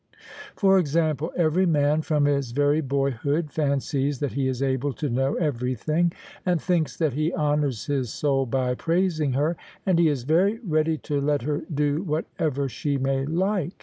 For example, every man, from his very boyhood, fancies that he is able to know everything, and thinks that he honours his soul by praising her, and he is very ready to let her do whatever she may like.